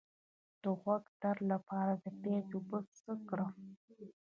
د غوږ درد لپاره د پیاز اوبه څه کړم؟